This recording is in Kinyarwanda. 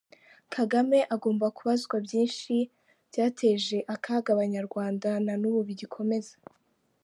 Kagame agomba kubazwa byinshi byateje akaga abanyarwanda na n’ubu bigikomeza